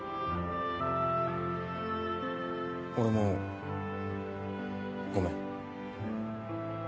俺もごめん。